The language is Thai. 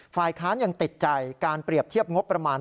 ฝ่ายค้านยังติดใจการเปรียบเทียบงบประมาณ